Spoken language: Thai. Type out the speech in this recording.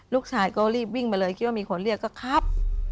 ลูกชายก็รีบวิ่งมาเลยคิดว่ามีคนเรียกก็ครับ